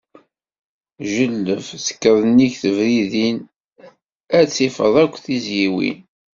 Jelleb, tekkeḍ nnig tebridin, ad tifeḍ akk tizyiwin.